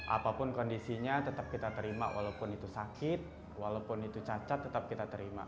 apapun kondisinya tetap kita terima walaupun itu sakit walaupun itu cacat tetap kita terima